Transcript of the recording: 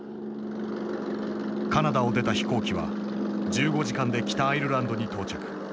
カナダを出た飛行機は１５時間で北アイルランドに到着。